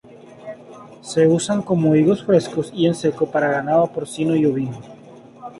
Se usa como higos frescos y en seco para ganado porcino y ovino.